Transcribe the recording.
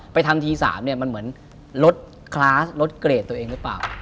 ทำที๓เนี่ยมันเหมือนลดคลาสลดเกรดตัวเองหรือเปล่า